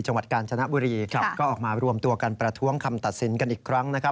จังหวัดกาญจนบุรีก็ออกมารวมตัวกันประท้วงคำตัดสินกันอีกครั้งนะครับ